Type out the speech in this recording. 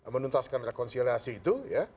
menuntaskan rekonsiliasi itu